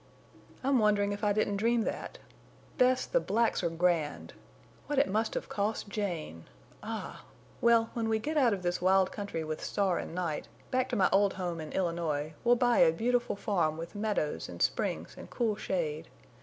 "I'm wondering if I didn't dream that. Bess, the blacks are grand. What it must have cost Jane—ah!—well, when we get out of this wild country with Star and Night, back to my old home in Illinois, we'll buy a beautiful farm with meadows and springs and cool shade.